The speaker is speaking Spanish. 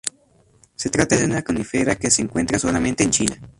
Se trata de una conífera que se encuentra solamente en China.